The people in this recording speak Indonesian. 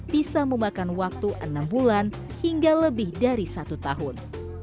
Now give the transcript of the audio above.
bisa memakan waktu enam bulan hingga lebih dari satu tahun